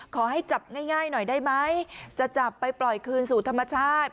ขอให้จับง่ายหน่อยได้ไหมจะจับไปปล่อยคืนสู่ธรรมชาติ